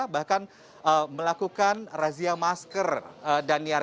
bahkan melakukan razia masker dan niar